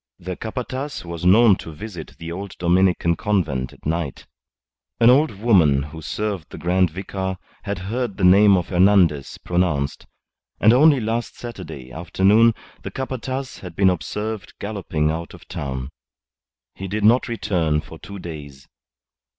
The Capataz was known to visit the old Dominican Convent at night. An old woman who served the Grand Vicar had heard the name of Hernandez pronounced; and only last Saturday afternoon the Capataz had been observed galloping out of town. He did not return for two days.